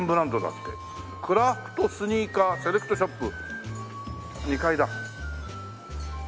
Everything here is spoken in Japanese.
「クラフトスニーカーセレクトショップ」２階だ。